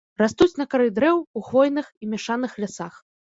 Растуць на кары дрэў у хвойных і мяшаных лясах.